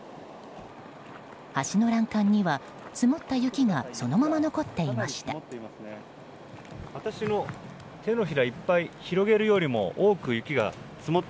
橋の欄干には積もった雪がそのまま残っていました。